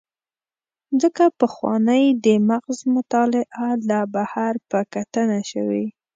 ځکه پخوانۍ د مغز مطالعه له بهر په کتنه شوې.